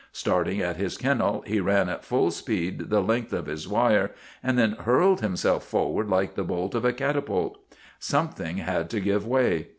Starting at his kennel he ran at full speed the length of his wire and then hurled himself forward like the bolt of a catapult. Some thing had to give way.